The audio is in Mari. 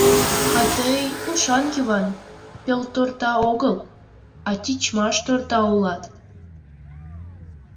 А тый, ушан Йыван, пелторта огыл, а тичмаш торта улат.